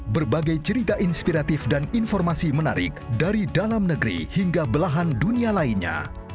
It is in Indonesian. berbagai cerita inspiratif dan informasi menarik dari dalam negeri hingga belahan dunia lainnya